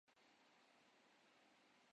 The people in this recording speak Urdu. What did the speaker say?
اصلاح مدرسہ کے مسافر کو اسی رخت سفر کی ضرورت ہے۔